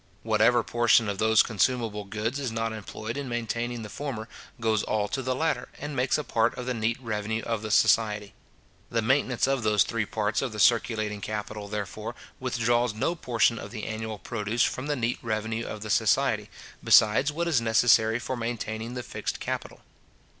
Whatever portion of those consumable goods is not employed in maintaining the former, goes all to the latter, and makes a part of the neat revenue of the society. The maintenance of those three parts of the circulating capital, therefore, withdraws no portion of the annual produce from the neat revenue of the society, besides what is necessary for maintaining the fixed capital.